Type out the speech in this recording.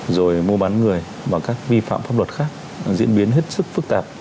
rồi mua bán người và các vi phạm pháp luật khác diễn biến hết sức phức tạp